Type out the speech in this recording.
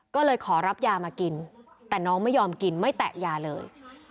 ก็เลยขอรับยามากินแต่น้องไม่ยอมกินไม่แตะยาเลย